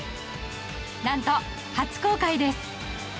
何と初公開です。